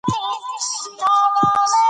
آرشیف يوه یوناني کليمه ده.